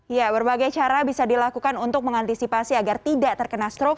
ya berbagai cara bisa dilakukan untuk mengantisipasi agar tidak terkena stroke